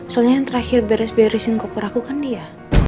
soalnya yang terakhir beres beresin koper aku kan dia